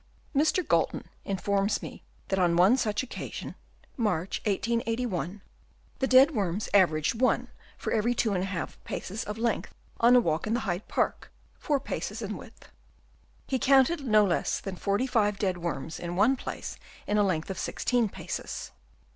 Mr. Galton informs me that on one such occasion (March, 1881), the dead worms averaged one for every two and a half paces in length on a walk in Hyde Park, four paces in width. He counted no less than 45 dead worms in one place in a length of sixteen paces.